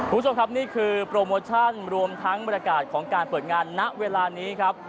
คุณผู้ชมครับนี่คือโปรโมชั่นรวมทั้งบรรยากาศของการเปิดงานณเวลานี้ครับ